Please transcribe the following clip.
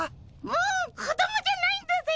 もう子供じゃないんだぜ。